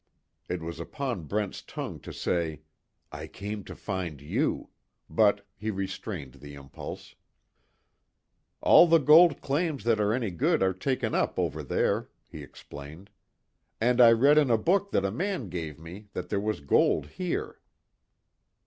It was upon Brent's tongue to say: "I came to find you," but, he restrained the impulse. "All the gold claims that are any good are taken up over there," he explained, "And I read in a book that a man gave me that there was gold here."